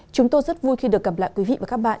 chúng tôi rất vui khi được gặp lại quý vị và các bạn